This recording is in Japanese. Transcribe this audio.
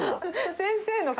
先生の顔。